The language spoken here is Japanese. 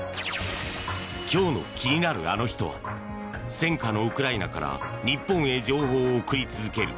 今日の気になるアノ人は戦禍のウクライナから日本へ情報を送り続ける